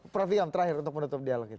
prof fiam terakhir untuk menutup dialog itu